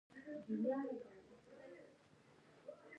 ښوونځی ماشومانو ته د ادب زده کړه ورکوي.